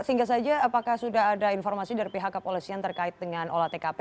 singkat saja apakah sudah ada informasi dari pihak kepolisian terkait dengan olah tkp